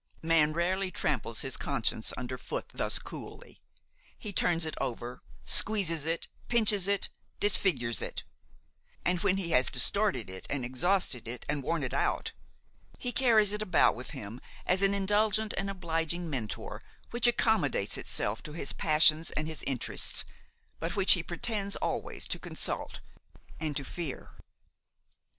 Man rarely tramples his conscience under foot thus coolly. He turns it over, squeezes it, pinches it, disfigures it; and when he has distorted it and exhausted it and worn it out, he carries it about with him as an indulgent and obliging mentor which accommodates itself to his passions and his interests, but which he pretends always to consult and to fear.